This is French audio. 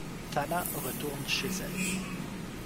Thana retourne chez elle.